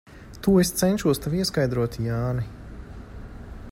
To es cenšos tev ieskaidrot, Jāni.